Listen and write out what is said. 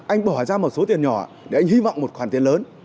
anh bỏ ra một số tiền nhỏ để anh hy vọng một khoản tiền lớn